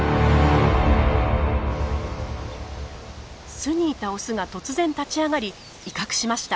巣にいたオスが突然立ち上がり威嚇しました。